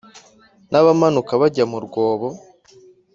n abamanuka bajya mu rwobo